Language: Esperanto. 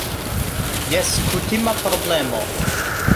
Jes, kutima problemo